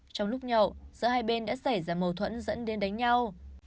trong lúc nhậu giữa hai bên đã xảy ra mâu thuẫn dẫn đến đánh nhau